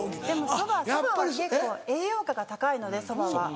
そばは結構栄養価が高いのでそばは。